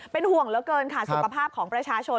เป็นห่วงเหลือเกินค่ะสุขภาพของประชาชน